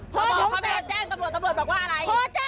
พอจังตำรวจ